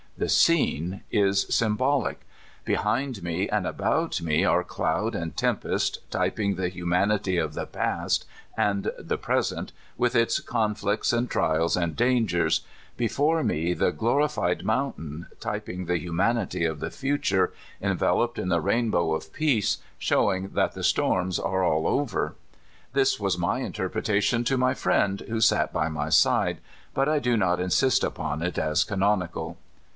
The scene is symbolic. Behind me and about me are cloud and tempest, typing the humanity of the past and the present with its conflicts, and trials, and dan gers ; before me the glorified mountain, typing the humanity of the future, enveloped in the rainbow The Blue Lahes. 129 of peace, sliowing that tlie storms are all over, riiis was my interpretation to my friend wlio sat by my side, but I do not insist upon it as canonical.